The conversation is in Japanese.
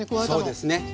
そうですね。